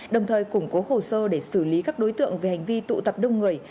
đồng thời củng cố hồ sơ để xử lý các đối tượng về hành vi tụ tập đông người